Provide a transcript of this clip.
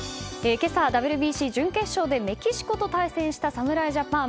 今朝、ＷＢＣ準決勝でメキシコと対戦した侍ジャパン。